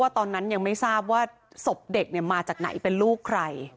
ตอนนั้นยังไม่ทราบว่าศพเด็กมาจากไหนเป็นลูกใคร